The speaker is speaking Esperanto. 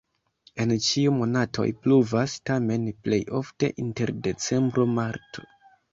En ĉiuj monatoj pluvas, tamen plej ofte inter decembro-marto.